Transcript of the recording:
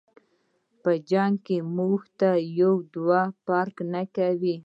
په جنګ کی مونږ ته یو دوه فرق نکوي.